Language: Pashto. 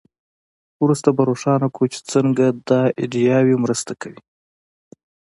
وروسته به روښانه کړو چې څنګه دا ایډیاوې مرسته کوي.